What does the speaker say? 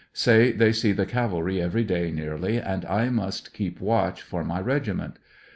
Say they see the cavalry every day nearly, and I must heep watch for my regiment.